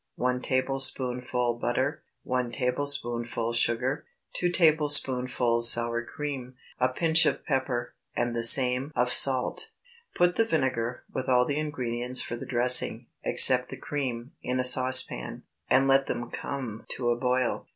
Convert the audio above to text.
1 tablespoonful butter. 1 tablespoonful sugar. 2 tablespoonfuls sour cream. A pinch of pepper, and the same of salt. Put the vinegar, with all the ingredients for the dressing, except the cream, in a saucepan, and let them come to a boil.